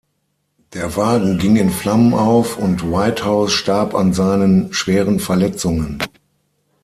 Der Wagen ging in Flammen auf und Whitehouse starb an seinen schweren Verletzungen.